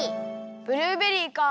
ブルーベリーか。